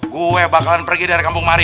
gue bakalan pergi dari kampung mari